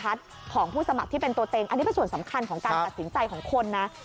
อันนี้เป็นส่วนสำคัญของการตัดสินใจของคนนะ